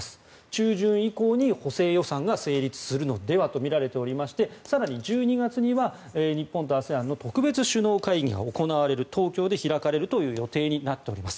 中旬以降に補正予算が成立するのではとみられ更に１２月には日本とＡＳＥＡＮの特別首脳会議が東京で開かれる予定になっています。